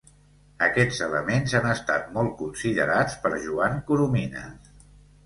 Aquests elements han estat molt considerats per Joan Coromines.